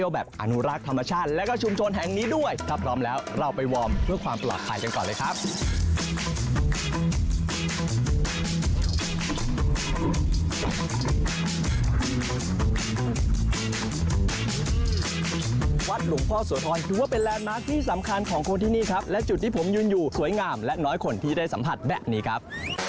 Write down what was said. วัดหลวงพ่อโสธรถือว่าเป็นแลนดมาร์คที่สำคัญของคนที่นี่ครับและจุดที่ผมยืนอยู่สวยงามและน้อยคนที่ได้สัมผัสแบบนี้ครับ